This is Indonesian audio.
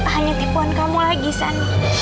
hanya tipuan kamu lagi sani